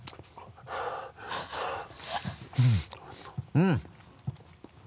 うん！